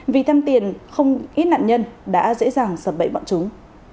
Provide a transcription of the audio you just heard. vì thêm tiền không ít nạn nhân đã dễ dàng sập bậy bọn chúng